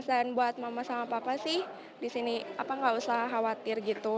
desain buat mama sama papa sih di sini apa nggak usah khawatir gitu